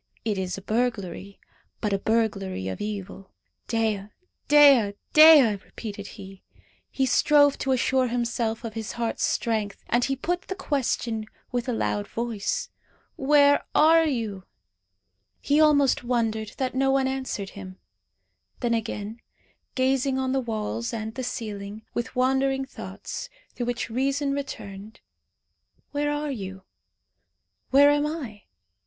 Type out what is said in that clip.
It is a burglary, but a burglary of evil. "Dea! Dea! Dea!" repeated he. He strove to assure himself of his heart's strength. And he put the question with a loud voice "Where are you?" He almost wondered that no one answered him. Then again, gazing on the walls and the ceiling, with wandering thoughts, through which reason returned. "Where are you? Where am I?"